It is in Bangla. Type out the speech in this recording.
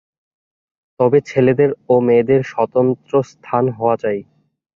তবে ছেলেদের ও মেয়েদের স্বতন্ত্র স্থান হওয়া চাই।